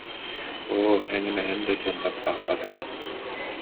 Оо, эҥин-эҥин да дьон бааллар ээ